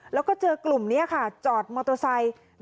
แล้วก็เจอกลุ่มนี้ค่ะจอดมอเตอร์ไซค์